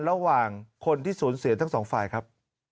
ระหว่างคนที่สูญเสียทั้งสองฝ่ายครับ